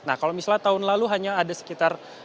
nah kalau misalnya tahun lalu hanya ada sekitar